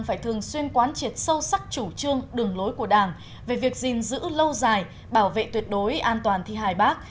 phải thường xuyên quán triệt sâu sắc chủ trương đường lối của đảng về việc gìn giữ lâu dài bảo vệ tuyệt đối an toàn thi hài bác